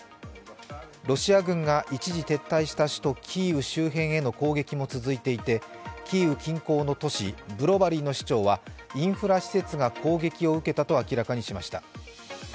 ロシア軍が一時撤退した首都キーウ近郊の攻撃も続いていて、キーウ近郊ブロバリーの市長はインフラ施設が攻撃を受けたと主張しました。